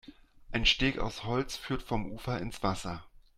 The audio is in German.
Ein Steg aus Holz führt vom Ufer ins Wasser.